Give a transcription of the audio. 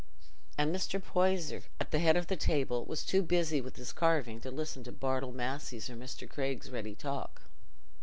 And Mr. Poyser, at the head of the table, was too busy with his carving to listen to Bartle Massey's or Mr. Craig's ready talk.